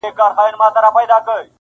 تنها نوم نه چي خِصلت مي د انسان سي,